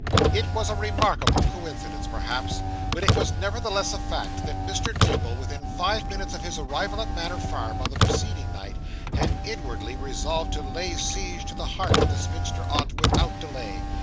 It was a remarkable coincidence perhaps, but it was nevertheless a fact, that Mr. Jingle within five minutes of his arrival at Manor Farm on the preceding night, had inwardly resolved to lay siege to the heart of the spinster aunt, without delay.